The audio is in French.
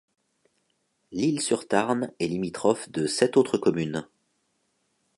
Lisle-sur-Tarn est limitrophe de sept autres communes.